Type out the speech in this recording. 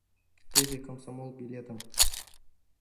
— Теве комсомол билетем.